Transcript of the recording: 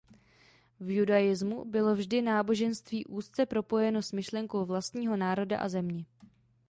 V judaismu bylo vždy náboženství úzce propojeno s myšlenkou vlastního národa a země.